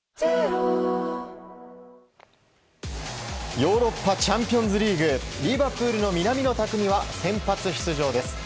ヨーロッパチャンピオンズリーグリバプールの南野拓実は先発出場です。